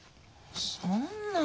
そんな。